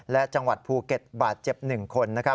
และจังหวัดภูเก็ตบาดเจ็บ๑คน